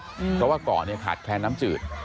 เพราะว่าเกาะเนี่ยขาดแคลนน้ำจืด